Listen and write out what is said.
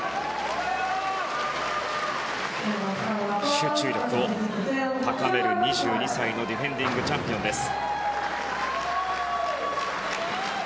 集中力を高める２２歳のディフェンディングチャンピオンです。